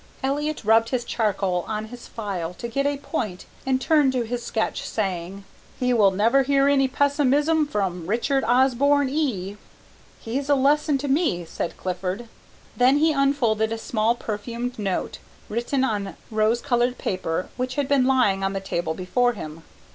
Elliott rubbed his charcoal on his file to get a point and turned to his sketch saying, "He will never hear any pessimism from Richard Osborne E." "He's a lesson to me," said Clifford. Then he unfolded a small perfumed note, written on rose coloured paper, which had been lying on the table before him.